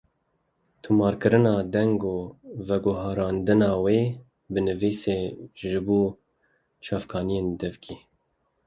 Tomarkirina deng û veguherandina wê bo nivîsê ji bo çavkaniyên devkî